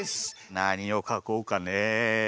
なにをかこうかね。